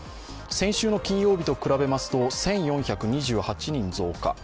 先週の金曜日と比べますと１４２８人増加。